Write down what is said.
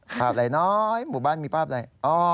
ภาพไหนน้อยหมู่บ้านมีภาพไหน